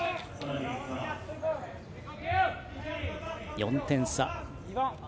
４点差。